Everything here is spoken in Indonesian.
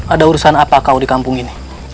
ada urusan apa kau di kampung ini